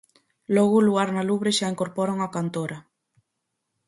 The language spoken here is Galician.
Logo Luar na Lubre xa incorpora unha cantora.